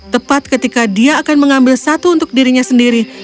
tepat ketika dia akan mengambil satu untuk dirinya sendiri